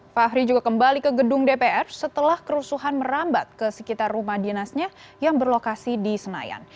fahri juga kembali ke gedung dpr setelah kerusuhan merambat ke sekitar rumah dinasnya yang berlokasi di senayan